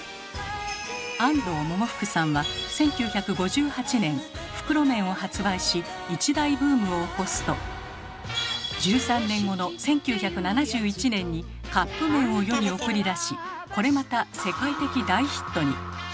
安藤百福さんは１９５８年袋麺を発売し一大ブームを起こすと１３年後の１９７１年にカップ麺を世に送り出しこれまた世界的大ヒットに。